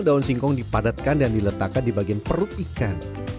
daun singkong dipadatkan dan diletakkan di bagian perut ikan